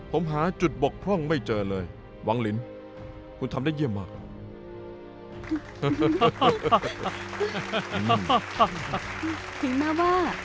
ถึงมาว่า